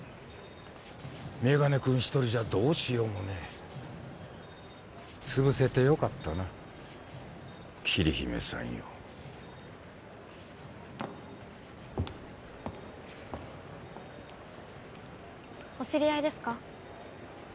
メガネ君一人じゃどうしようもねえ潰せてよかったな桐姫さんよお知り合いですか？